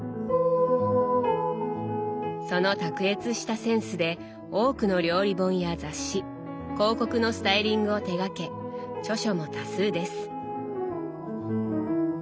その卓越したセンスで多くの料理本や雑誌広告のスタイリングを手がけ著書も多数です。